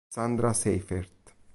Sandra Seifert